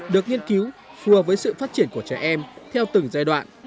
được nghiên cứu phù hợp với sự phát triển của trẻ em theo từng giai đoạn